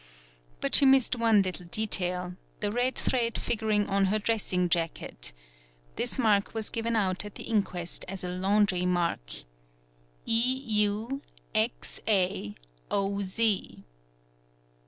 — But she missed one little detail—the red thread figuring on her dressing jacket. This mark was given out at the inquest as a laundry mark : HUXAOZ.